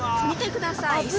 見てください。